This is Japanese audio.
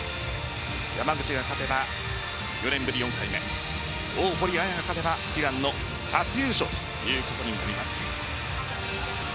山口が勝てば４年ぶり４回目大堀彩が勝てば悲願の初優勝ということになります。